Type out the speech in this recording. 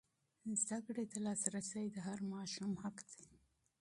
زده کړې ته لاسرسی د هر ماشوم حق دی.